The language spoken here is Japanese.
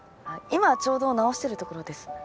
今ちょうど直してるところです。